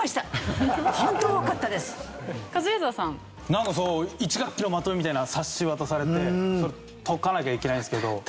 なんか１学期のまとめみたいな冊子渡されてそれ解かなきゃいけないんですけど。